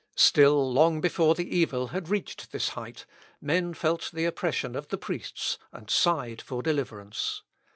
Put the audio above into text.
Still long before the evil had reached this height, men felt the oppression of the priests and sighed for deliverance.